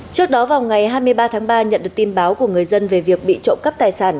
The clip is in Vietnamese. trước đó vào ngày hai mươi ba tháng ba nhận được tin báo của người dân về việc bị trộm cắp tài sản